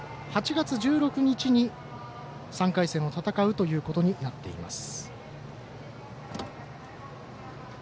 ８月１６日に３回戦を戦うということになっています。